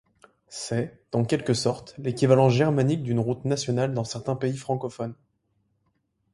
C'est, en quelque sorte, l'équivalent germanique d'une route nationale dans certains pays francophones.